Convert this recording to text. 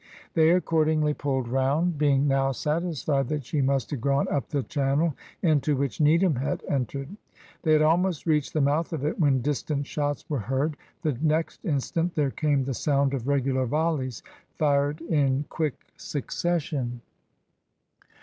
They accordingly pulled round, being now satisfied that she must have gone up the channel into which Needham had entered. They had almost reached the mouth of it when distant shots were heard; the next instant there came the sound of regular volleys, fired in quick succession.